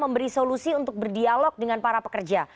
memberi solusi untuk berdialog dengan para pekerja